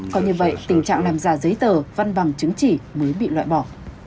còn như vậy tình trạng làm giả giấy tờ văn bằng chứng chỉ mới bị loại bỏ